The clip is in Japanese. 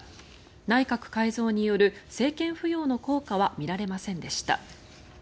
内閣改造による政権浮揚の効果は見られませんでした。